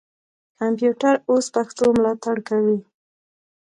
کمپیوټر اوس پښتو ملاتړ کوي.